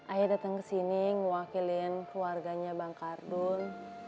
ayo dateng ke sini ngewakilin keluarganya bang kardun